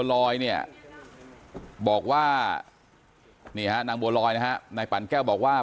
พยายามจะถามผู้